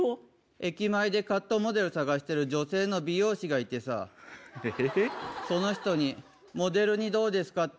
駅前でカットモデル探してる女性の美容師がいてさ、その人に、モデルにどうですか？って